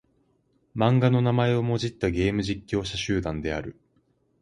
漫画の名前をもじったゲーム実況者集団である。